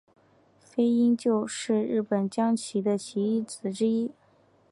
飞鹫是日本将棋的棋子之一。